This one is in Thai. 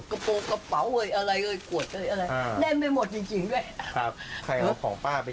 เขาต้องว่าดิเขาบอกว่าเก็บมาทำไมเยอะแยะของทางกระยะ